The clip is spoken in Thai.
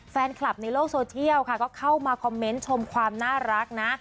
แฟนคลับในโลกโซเทียลค่ะก็เข้ามาคอมเมนต์ชมความน่ารักนะ